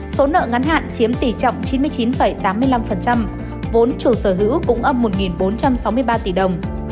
số nợ ngắn hạn chiếm tỷ trọng chín mươi chín tám mươi năm vốn chủ sở hữu cũng âm một bốn trăm sáu mươi ba tỷ đồng